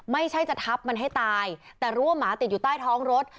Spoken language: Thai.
ไม่ใช่จะทับมันให้ตายแต่รู้ว่าหมาติดอยู่ใต้ท้องรถ